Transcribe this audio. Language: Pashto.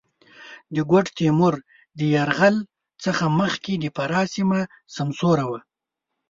د ګوډ تېمور د یرغل څخه مخکې د فراه سېمه سمسوره وه.